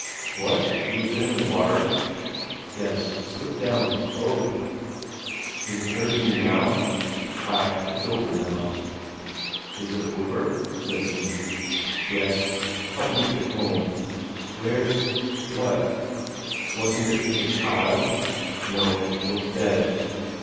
"What you been in the water?" "Yes. Slipped down oh!" "Is it hurting you now?" "Ay it's over now." "Is it over?" says he. "Yes. Help me to get home." "Where's ...?" "What?" "Wasn't it the child?" "No. Twas dead."